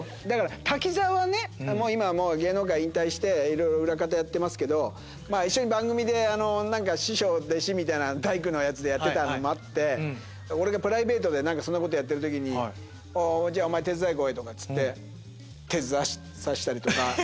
だから滝沢はね今もう芸能界引退していろいろ裏方やってますけど一緒に番組で師匠弟子みたいな大工のやつでやってたのもあって俺がプライベートで何かそんなことやってる時に「おうじゃあお前手伝い来い」とかっつって手伝わさせたりとか。